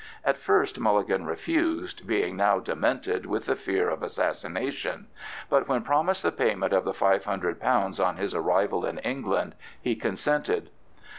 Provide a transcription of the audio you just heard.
At first Mulligan refused, being now demented with the fear of assassination, but when promised the payment of the £500 on his arrival in England, he consented.